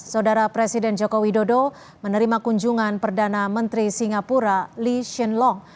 saudara presiden joko widodo menerima kunjungan perdana menteri singapura lee hsien long